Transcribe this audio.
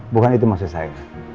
bukan itu maksud saya